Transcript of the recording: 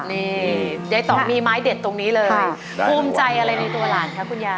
นี่ยายต่องมีไม้เด็ดตรงนี้เลยภูมิใจอะไรในตัวหลานคะคุณยาย